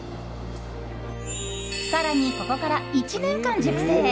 更にここから１年間、熟成。